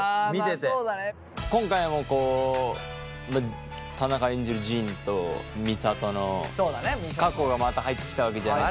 今回も田中演じる仁と美里の過去がまた入ってきたわけじゃない。